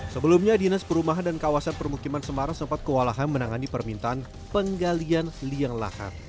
sebelumnya dinas perumahan dan kawasan permukiman semarang sempat kewalahan menangani permintaan penggalian liang lahat